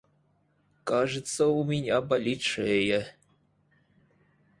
Кажется, у меня болит шея...